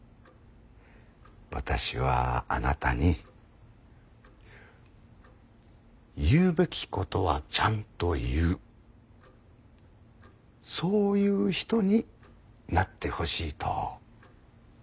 私はあなたに言うべきことはちゃんと言うそういう人になってほしいと思っています。